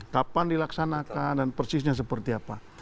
kapan dilaksanakan dan persisnya seperti apa